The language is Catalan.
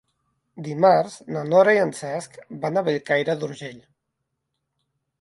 Dimarts na Nora i en Cesc van a Bellcaire d'Urgell.